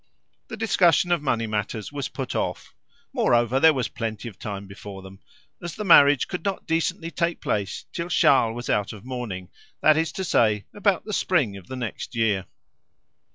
The discussion of money matters was put off; moreover, there was plenty of time before them, as the marriage could not decently take place till Charles was out of mourning, that is to say, about the spring of the next year.